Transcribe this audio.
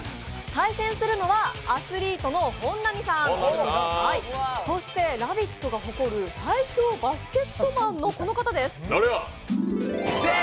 対戦するのはアスリートの本並さん、そして「ラヴィット！」が誇る最強バスケットマンのこの方です。